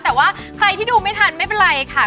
แต่ว่าใครที่ดูไม่ทันไม่เป็นไรค่ะ